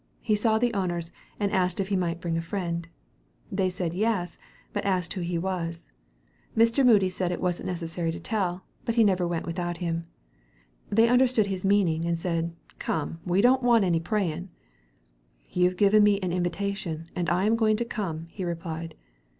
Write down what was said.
He saw the owners, and asked if he might bring a friend. They said yes, but asked who he was. Mr. Moody said it wasn't necessary to tell, but he never went without him. They understood his meaning, and said, "Come, we don't want any praying." "You've given me an invitation, and I am going to come," he replied.